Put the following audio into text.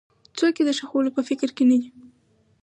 څوک یې د ښخولو په فکر کې نه دي.